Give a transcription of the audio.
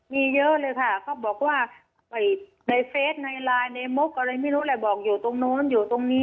มีเยอะเลยค่ะเขาบอกว่าในเฟสในไลน์ในมุกอะไรไม่รู้แหละบอกอยู่ตรงนู้นอยู่ตรงนี้